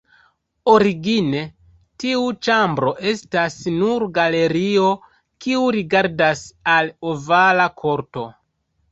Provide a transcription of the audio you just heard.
Origine, tiu ĉambro estas nur galerio kiu rigardas al Ovala Korto.